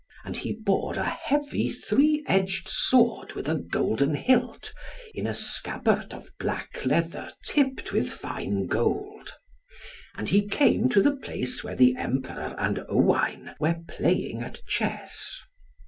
And he bore a heavy three edged sword with a golden hilt, in a scabbard of black leather tipped with fine gold. And he came to the place where the Emperor and Owain were playing at chess.